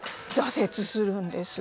挫折するんです。